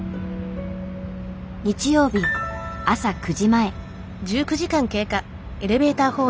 日曜日朝９時前。